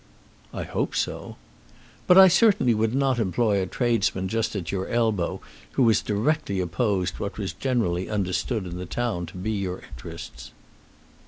"I hope so." "But I certainly would not employ a tradesman just at your elbow who has directly opposed what was generally understood in the town to be your interests."